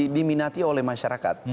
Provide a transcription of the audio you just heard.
diminati oleh masyarakat